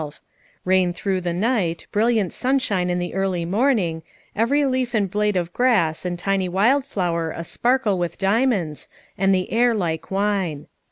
Eain through the night, brilliant sunshine in the early morning, every leaf and blade of grass and tiny wild flower a sparkle with diamonds, and the air like wine.